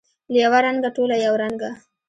له یوه رنګه، ټوله یو رنګه